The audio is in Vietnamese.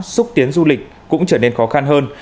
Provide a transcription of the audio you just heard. xúc tiến du lịch cũng trở nên khó khăn hơn